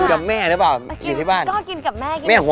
กับแม่หรือเปล่าอยู่ที่บ้านก็กินกับแม่กิน